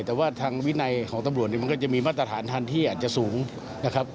แต่ว่าทางวินัยของตำรวจเนี่ยมันก็จะมีมาตรฐานทันที่อาจจะสูงนะครับ